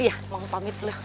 iya mau pamit dulu